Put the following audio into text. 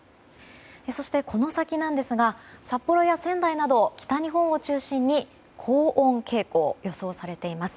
そして、この先ですが札幌や仙台など北日本を中心に高温傾向が予想されています。